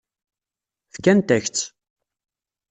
Fkant-ak-tt.